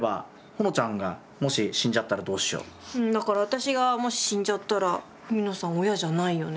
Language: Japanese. だから私がもし死んじゃったら文野さん親じゃないよね。